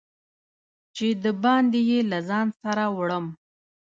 چې د باندي یې له ځان سره وړم